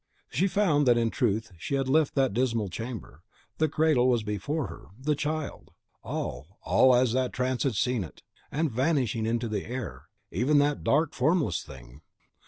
She found that in truth she had left that dismal chamber; the cradle was before her, the child! all all as that trance had seen it; and, vanishing into air, even that dark, formless Thing!